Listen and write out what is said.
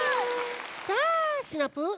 さあシナプー